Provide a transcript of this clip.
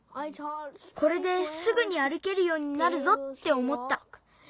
これですぐにあるけるようになるぞっておもった。